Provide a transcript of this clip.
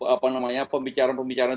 apa namanya pembicaraan pembicaraan